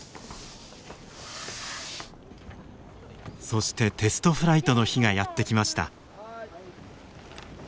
そしてテストフライトの日がやって来ました。